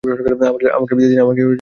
আমাকে বিদায় দিন।